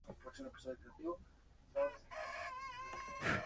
Fue esposo de la destacada filántropa cubana Marta Abreu.